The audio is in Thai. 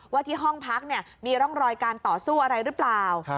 ว่าที่ห้องพักมีร่องรอยการต่อสู้อะไรหรือเปล่า